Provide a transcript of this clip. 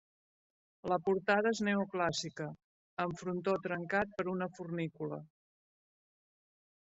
La portada és neoclàssica, amb frontó trencat per una fornícula.